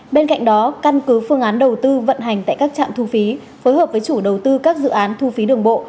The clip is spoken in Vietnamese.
bên cạnh đó căn cứ phương án đầu tư vận hành tại các trạm thu phí phối hợp với chủ đầu tư các dự án thu phí đường bộ